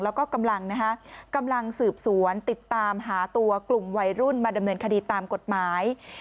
แล้วก็กำลังนะคะกำลังสืบสวนติดตามหาตัวกลุ่มวัยรุ่นมาดำเนินคดีตามกฎหมาย